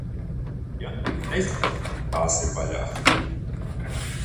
Ja nu viņi nezina, ka tās ir vaļā?